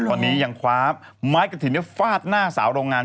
ตอนนี้ยังคว้าไม้กระถิ่นฟาดหน้าสาวโรงงาน